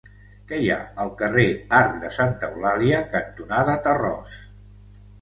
Què hi ha al carrer Arc de Santa Eulàlia cantonada Tarròs?